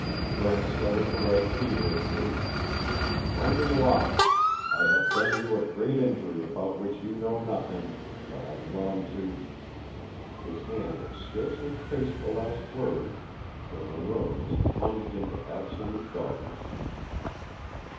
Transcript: Brent started to write feverishly: QUENTIN LOCKE, I have done you a great injury about which you know nothing, but I am willing to His hand had scarcely traced the last word when the room was plunged into absolute darkness.